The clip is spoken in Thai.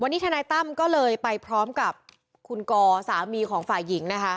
วันนี้ทนายตั้มก็เลยไปพร้อมกับคุณกอสามีของฝ่ายหญิงนะคะ